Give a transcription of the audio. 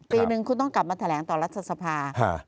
ปีนึงคุณต้องกลับมาแถลงต่อรัฐสภา